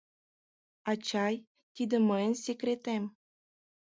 Ачай, тиде мыйын секретем.